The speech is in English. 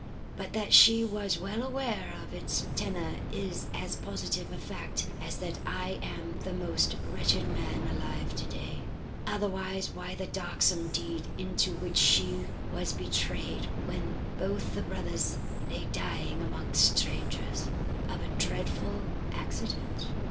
But that she was well aware of its tenor is as positive a fact as that I am the most wretched man alive tonight. Otherwise, why the darksome deed into which she was betrayed when both the brothers lay dying among strangers, of a dreadful accident?"